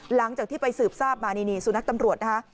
หลังจากที่ไปสืบทราบมานี่สุนัขตำรวจนะคะ